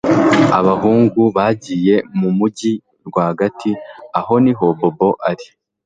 Abahungu bagiye mu mujyi rwagati Aho niho Bobo ari